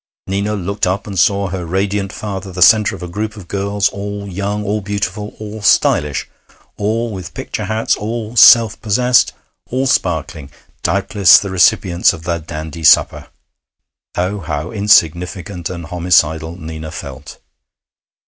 Nina looked up and saw her radiant father the centre of a group of girls all young, all beautiful, all stylish, all with picture hats, all self possessed, all sparkling, doubtless the recipients of the dandy supper. Oh, how insignificant and homicidal Nina felt!